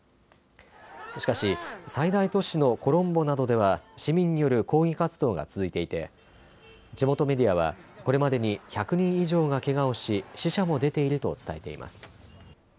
しかし、最大都市のコロンボなどでは市民による抗議活動が続いていて、地元メディアはこれまでに１００人以上がけがをし死者も出ていると伝えています。